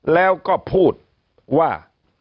แล้วก็พูดว่า